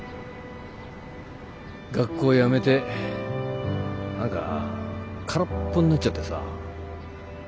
学校辞めて何か空っぽになっちゃってさ。